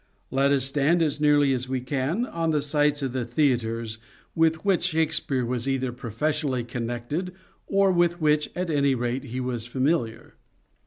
Let us stand as nearly as we can on the sites of the theatres with which Shakespeare was either professionally connected or with which, at any rate, he was familiar.